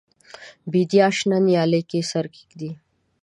د بیدیا شنه نیالۍ کې سر کښېږدي